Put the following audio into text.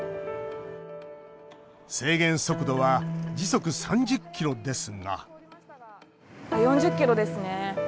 制限速度は時速３０キロですが４０キロですね。